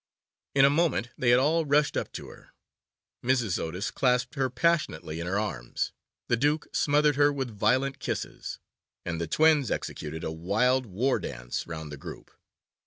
In a moment they had all rushed up to her. Mrs. Otis clasped her passionately in her arms, the Duke smothered her with violent kisses, and the twins executed a wild war dance round the group.